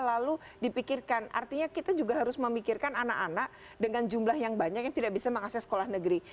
lalu dipikirkan artinya kita juga harus memikirkan anak anak dengan jumlah yang banyak yang tidak bisa mengakses sekolah negeri